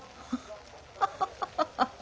ハハハハハハ！